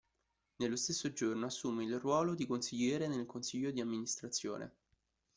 Nello stesso giorno assume il ruolo di consigliere nel Consiglio di amministrazione.